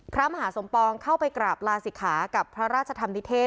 พระมหาสมปองเข้าไปกราบลาศิกขากับพระราชธรรมนิเทศ